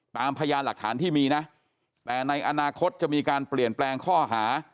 พยานหลักฐานที่มีนะแต่ในอนาคตจะมีการเปลี่ยนแปลงข้อหา